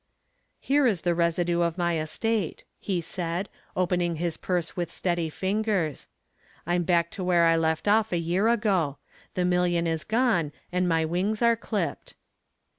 "Here is the residue of my estate," he said, opening his purse with steady fingers. "I'm back to where I left off a year ago. The million is gone and my wings are clipped."